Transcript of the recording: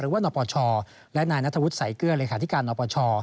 หรือว่านปชและนายนัทวุฒิไสเกื้อเลขาธิการนปช